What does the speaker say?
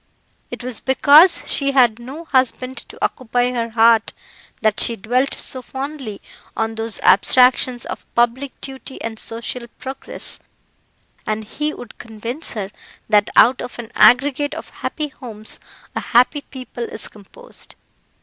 It was because she had no husband to occupy her heart that she dwelt so fondly on those abstractions of public duty and social progress, and he would convince her that out of an aggregate of happy homes a happy people is composed.